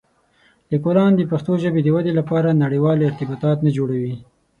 لیکوالان د پښتو ژبې د ودې لپاره نړيوال ارتباطات نه جوړوي.